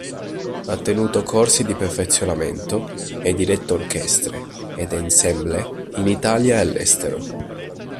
Ha tenuto corsi di perfezionamento e diretto orchestre ed ensemble in Italia e all'estero.